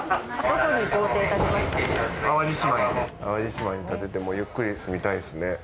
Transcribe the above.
淡路島に建ててゆっくり住みたいですね。